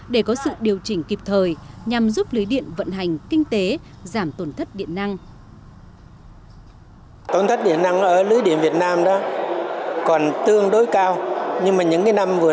để có sự điều chỉnh kịp thời nhằm giúp lưới điện vận hành kinh tế giảm tổn thất điện năng